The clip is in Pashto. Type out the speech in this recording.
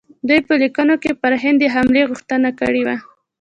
دوی په لیکونو کې پر هند د حملې غوښتنه کړې وه.